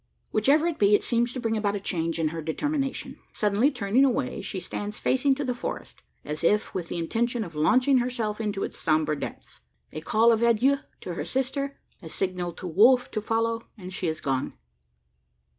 Whichever it be, it seems to bring about a change in her determination. Suddenly turning away, she stands facing to the forest as if with the intention of launching herself into its sombre depths. A call of adieu to her sister a signal to Wolf to follow and she is gone.